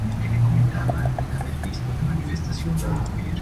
Tras seis años se retiró finalmente como futbolista.